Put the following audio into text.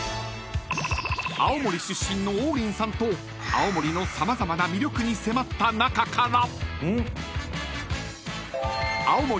［青森出身の王林さんと青森の様々な魅力に迫った中から］